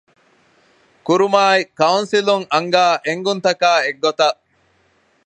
ކުރުމާއި ކައުންސިލުން އަންގާ އެންގުންތަކާއި އެއްގޮތަށް